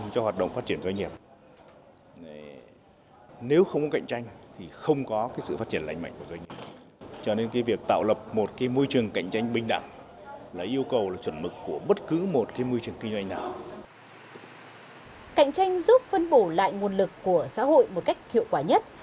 cạnh tranh giúp phân bổ lại nguồn lực của xã hội một cách hiệu quả nhất